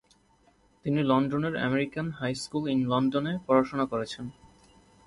তিনি লন্ডনের American high school in লন্ডনে পড়াশোনা করেছেন।